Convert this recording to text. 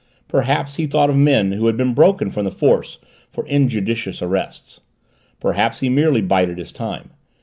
Perhaps he thought of men who had been broken from the Force for injudicious arrests, perhaps he merely bided his time.